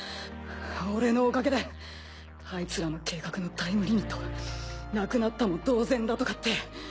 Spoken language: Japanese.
俺のおかげでアイツらの計画のタイムリミットはなくなったも同然だとかって。